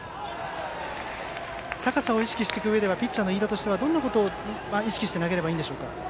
高さを意識していくうえではピッチャーの飯田としてはどんなことを意識して投げればいいんでしょうか？